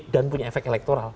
dan punya efek elektoral